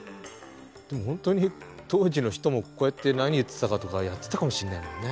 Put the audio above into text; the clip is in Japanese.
でも本当に当時の人もこうやって何言ってたかとかやってたかもしんないもんね。